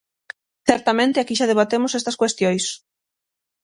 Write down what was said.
Certamente, aquí xa debatemos estas cuestións.